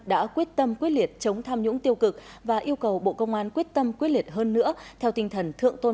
đã quyết tâm quyết liệt chống tham nhũng tiêu cực và yêu cầu bộ công an quyết tâm quyết liệt hơn nữa